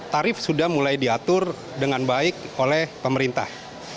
tarif sudah mulai diatur dengan baik oleh pemerintah